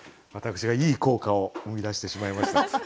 私がいい効果を生み出してしまいました。